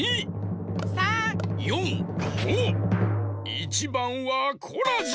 １ばんはコラジ！